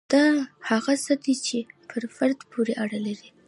دا هغه څه دي چې پر فرد پورې اړه لري.